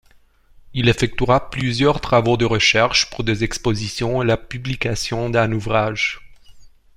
Il effectuera plusieurs travaux de recherche pour des expositions et la publication d’un ouvrage.